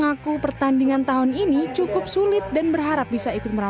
yang bisa mempertemukan seluruh stakeholder esports di indonesia maupun di luar negeri